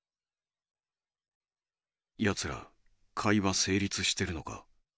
やつら会話せいりつしてるのか？